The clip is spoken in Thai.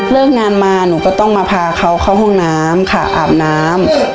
เลิกงานมาให้เขาเข้าห้องน้ำอาบน้ำ